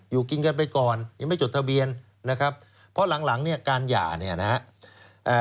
อยู่กินกันไปก่อนยังไม่จดทะเบียนนะครับเพราะหลังหลังเนี่ยการหย่าเนี่ยนะฮะ